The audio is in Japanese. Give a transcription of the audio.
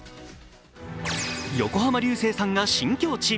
横浜流星さんが新境地。